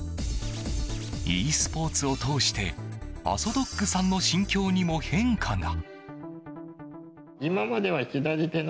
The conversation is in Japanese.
ｅスポーツを通してあそどっぐさんの心境にも変化が。